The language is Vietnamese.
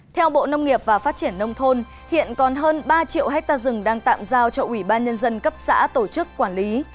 theo bộ nông nghiệp và phát triển nông thôn hiện còn hơn ba triệu hectare rừng đang tạm giao cho ủy ban nhân dân cấp xã tổ chức quản lý